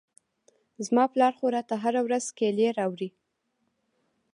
زما پلار خو راته هره ورځ کېلې راوړي.